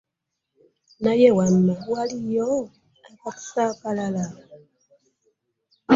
Naye wamma waliyo akakisa akalala?